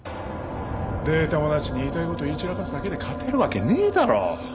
データもなしに言いたい事言い散らかすだけで勝てるわけねえだろ。